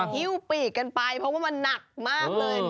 ฮิ้วปีกกันไปเพราะว่ามันหนักมากเลย